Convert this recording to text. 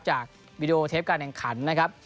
วีดีโอเทปการแข่งขันนะครับ